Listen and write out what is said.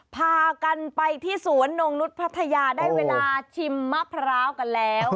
พากันไปที่สวนนงนุษย์พัทยาได้เวลาชิมมะพร้าวกันแล้ว